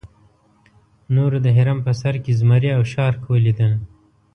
نورو د هرم په سر کې زمري او شارک ولیدل.